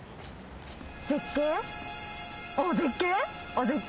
絶景？